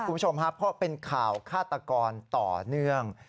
คุณผู้ชมครับเพราะเป็นข่าวฆาตกรต่อเนื่อง